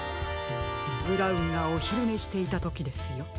ブラウンがおひるねしていたときですよ。